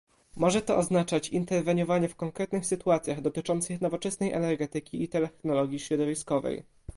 Może to oznaczać interweniowanie w konkretnych sytuacjach dotyczących nowoczesnej energetyki i technologii środowiskowej